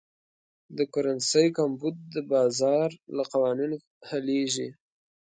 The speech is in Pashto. د کرنسۍ کمبود د بازار له قوانینو حلېږي.